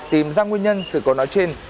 tìm ra nguyên nhân sự cố nói trên